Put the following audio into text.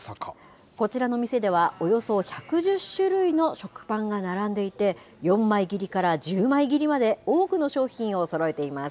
こちらの店では、およそ１１０種類の食パンが並んでいて、４枚切りから１０枚切りまで、多くの商品をそろえています。